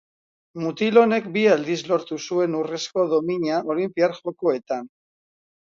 Mutil honek bi aldiz lortu zuen urrezko domina olinpiar jokoeetan.